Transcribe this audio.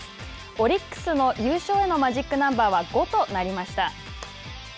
オリックスの優勝へのマジックナンバーは５となりました。